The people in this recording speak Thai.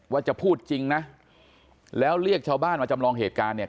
ว่าจะพูดจริงนะแล้วเรียกชาวบ้านมาจำลองเหตุการณ์เนี่ย